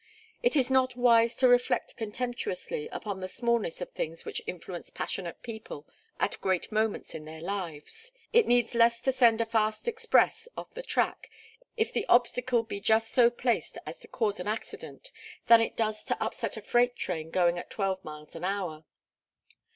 It is not wise to reflect contemptuously upon the smallness of things which influence passionate people at great moments in their lives. It needs less to send a fast express off the track, if the obstacle be just so placed as to cause an accident, than it does to upset a freight train going at twelve miles an hour.